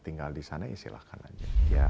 tinggal di sana ya silahkan aja